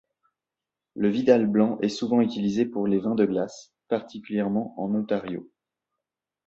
Le Vidal blanc est souvent utilisé pour les vins de glace, particulièrement en Ontario.